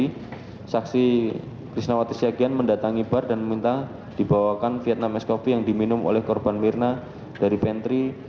sehingga saksi krisnawati syagian mendatangi bar dan meminta dibawakan vietnamese coffee yang diminum oleh korban mirna dari pantry